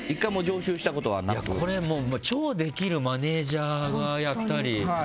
いや、これ超できるマネジャーがやったり。